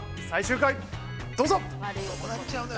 最終回、どうぞ！